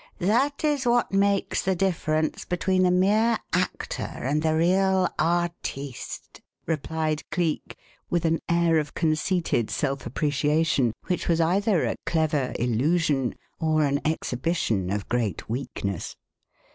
That is what makes the difference between the mere actor and the real artiste," replied Cleek, with an air of conceited self appreciation which was either a clever illusion or an exhibition of great weakness.